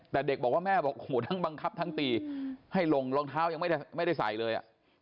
แต่เด็กบอกว่าแม่บอกโอ้โหทั้งบังคับทั้งตีให้ลงรองเท้ายังไม่ได้ใส่เลย